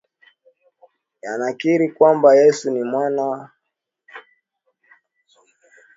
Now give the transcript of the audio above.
yanakiri kwamba Yesu ni Mwana wa Mungu aliyefanyika mtu